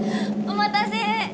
お待たせ。